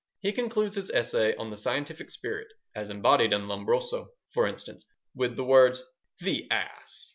He concludes his essay on the scientific spirit, as embodied in Lombroso, for instance, with the words, "The Ass!"